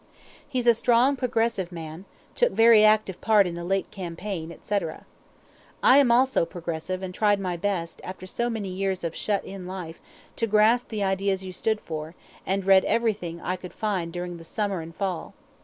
He's a strong Progressive man, took very active part in the late campaign, etc. I am also Progressive, and tried my best, after so many years of shut in life, to grasp the ideas you stood for, and read everything I could find during the summer and fall.